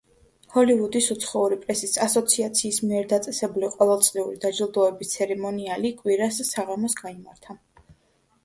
ჰოლივუდის უცხოური პრესის ასოციაციის მიერ დაწესებული ყოველწლიური დაჯილდოების ცერემონიალი კვირას საღამოს გაიმართა.